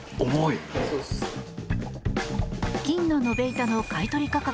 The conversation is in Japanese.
金の延べ板の買い取り価格